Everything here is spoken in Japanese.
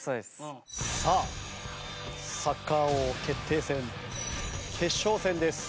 さあサッカー王決定戦決勝戦です。